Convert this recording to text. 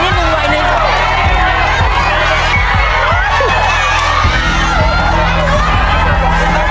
มีมาที่สายหวาน